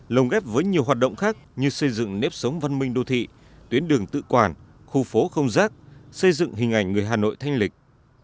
lồng ghép với nhiều hoạt động khác như xây dựng nếp sống văn minh đô thị tuyến đường tự quản khu phố không rác xây dựng hình ảnh người hà nội thanh lịch